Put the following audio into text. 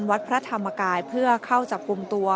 วัดพระธรรมกายเพื่อเข้าจับกลุ่มตัว